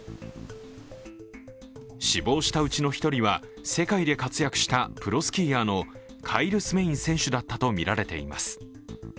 死亡したうちの１人は世界で活躍したプロスキーヤーのカイル・スメイン選手だったとみられています。